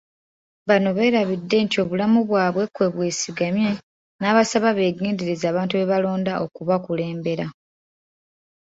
Bano beerabidde nti obulamu bwabwe kwe bwesigamye n'abasaba beegendereze abantu be balonda okubakulembera.